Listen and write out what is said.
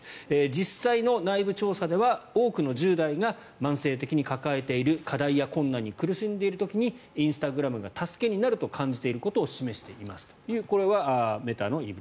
実際の内部調査では多くの１０代が慢性的に抱えている課題や困難に苦しんでいる時にインスタグラムが助けになると感じていることを示していますというこれはメタの言い分。